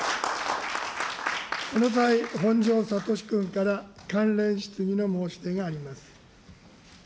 本庄知史君から関連質疑の申し出があります。